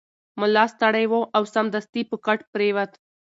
ملا ستړی و او سمدستي په کټ پریوت.